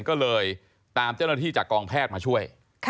ก็เลยตามเจ้าหน้าที่จากกองแพทย์มาช่วย